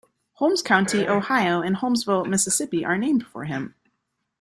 Holmes County, Ohio, and Holmesville, Mississippi, are named for him.